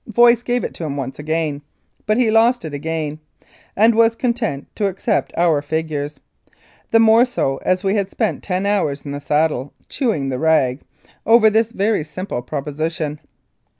Voice gave it to him once, but he lost it again, and was content to accept our figures, the more so as we had spent ten hours in the saddle "chewing the rag" over this very simple proposition.